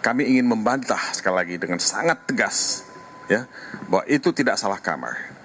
kami ingin membantah sekali lagi dengan sangat tegas bahwa itu tidak salah kamar